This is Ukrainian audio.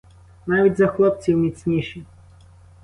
Навіть за хлопців міцніші!